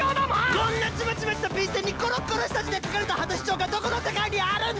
こんなちまちました便箋にころっころした字で書かれた果たし状がどこの世界にあるんだ！？